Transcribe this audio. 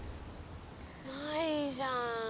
ないじゃん！